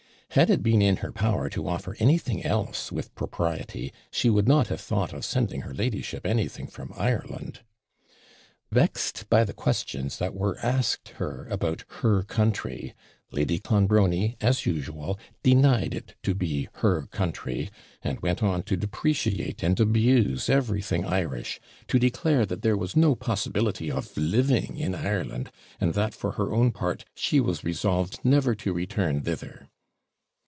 Had it been in her power to offer anything else with propriety, she would not have thought of sending her ladyship anything from Ireland. Vexed by the questions that were asked her about HER COUNTRY, Lady Clonbrony, as usual, denied it to be her country, and went on to depreciate and abuse everything Irish; to declare that there was no possibility of living in Ireland; and that, for her own part, she was resolved never to return thither.